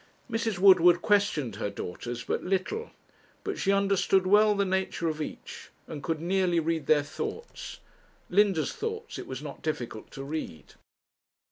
Mrs. Woodward questioned her daughters but little, but she understood well the nature of each, and could nearly read their thoughts. Linda's thoughts it was not difficult to read.